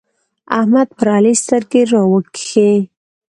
احمد پر علي سترګې راوکښې.